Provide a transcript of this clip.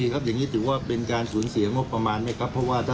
แล้วจะเป็นองย์ประมาณเท่าไหร่อ่ะ